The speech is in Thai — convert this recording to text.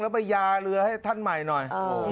แล้วไปยาเรือให้ท่านใหม่หน่อย